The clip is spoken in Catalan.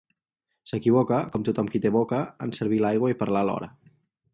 S'equivoca, com tothom qui té boca, en servir l'aigua i parlar alhora.